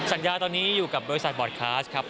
สัญญาตอนนี้อยู่กับบริษัทบอร์ดคลาสครับ